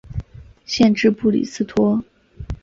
县治布里斯托。